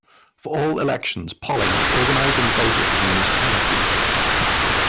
For all elections polling is organized on the basis of municipalities.